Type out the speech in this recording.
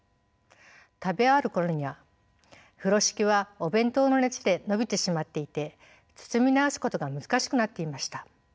食べ終わる頃には風呂敷はお弁当の熱で伸びてしまっていて包み直すことが難しくなっていました。